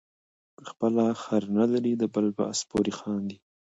په خپله خر نلري د بل په آس پورې خاندي.